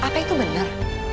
kay apa itu benar